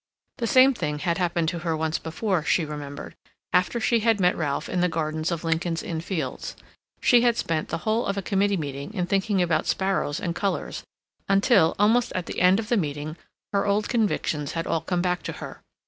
The same thing had happened to her once before, she remembered, after she had met Ralph in the gardens of Lincoln's Inn Fields; she had spent the whole of a committee meeting in thinking about sparrows and colors, until, almost at the end of the meeting, her old convictions had all come back to her.